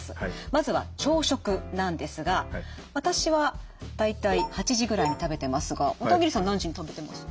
まずは朝食なんですが私は大体８時くらいに食べてますが小田切さん何時に食べてます？